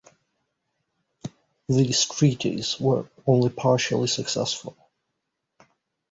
These treaties were only partially successful.